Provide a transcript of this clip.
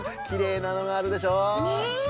きれいなのがあるでしょう？ねえ。